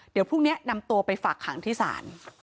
เดี๋ยวพรุ่งนี้นำตัวไปฝากขังที่ศาล